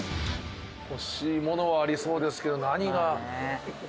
欲しいものはありそうですけど何が。